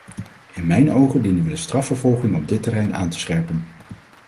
In mijn ogen dienen we de strafvervolging op dit terrein aan te scherpen.